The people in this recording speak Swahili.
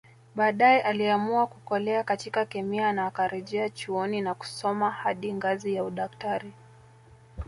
Baadae aliamua kukolea katika kemia na akarejea chuoni na kusoma hadi ngazi ya udaktari